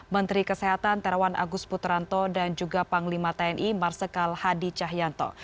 menteri kesehatan terawan agus putranto dan juga panglima tni marsikal hadi cahyanto